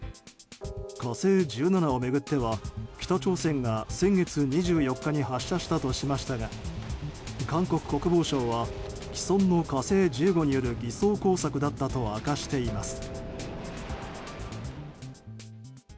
「火星１７」を巡っては北朝鮮が先月２４日に発射したとしましたが韓国国防省は既存の「火星１５」による偽装工作だったと明かしています。